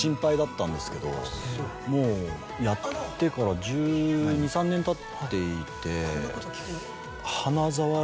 もうやってから１２１３年たっていて。